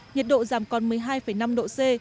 nhiệt độ giảm còn một mươi hai năm độ c